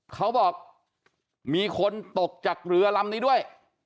เขาบอกมีคนตกจากเรือลำนี้ด้วย